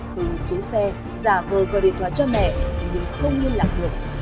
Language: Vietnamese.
hưng xuống xe giả vờ gọi điện thoại cho mẹ nhưng không liên lạc được